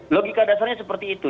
logika dasarnya seperti itu